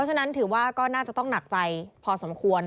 ฉะนั้นถือว่าก็น่าจะต้องหนักใจพอสมควร